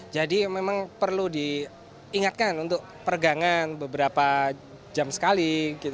jadi memang perlu diingatkan untuk pergangan beberapa jam sekali